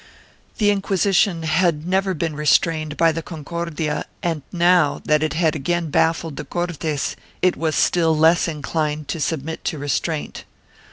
1 The Inquisition had never been restrained by the Concordia and now that it had again baffled the Cortes it was still less inclined to submit to restraint.